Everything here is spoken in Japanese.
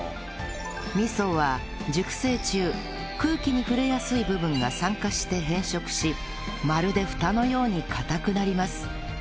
味噌は熟成中空気に触れやすい部分が酸化して変色しまるで蓋のように固くなります